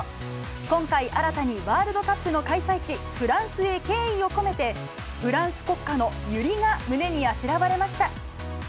今回、新たにワールドカップの開催地、フランスへ敬意を込めて、フランス国花のユリが胸にあしらわれました。